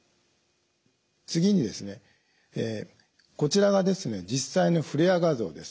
次にですねこちらがですね実際のフレアー画像です。